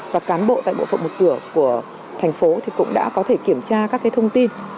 và cán bộ tại bộ phận một cửa của thành phố cũng đã có thể kiểm tra các thông tin